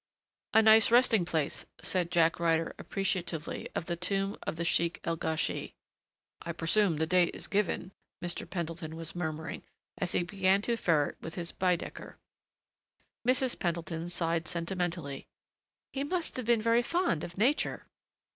"A nice resting place," said Jack Ryder appreciatively of the tomb of the Sheykh el Gauchy. "I presume the date is given," Mr. Pendleton was murmuring, as he began to ferret with his Baedecker. Mrs. Pendleton sighed sentimentally. "He must have been very fond of nature."